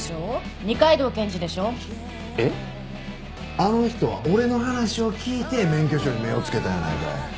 あの人は俺の話を聞いて免許証に目をつけたんやないかい。